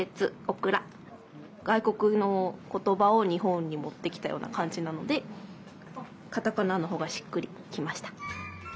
がいこくのことばを日本にもってきたようなかんじなのでカタカナのほうがしっくりきました。